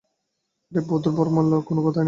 আর বধূর বরমাল্যের তো কথাই নাই।